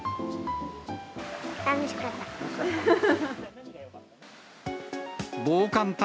楽しかった。